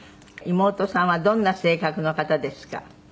「妹さんはどんな性格の方ですか？」